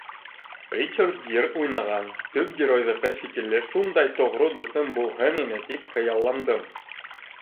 Ричард Гир уйнаған төп геройҙыҡы шикелле шундай тоғро дуҫым булһын ине, тип хыялландым.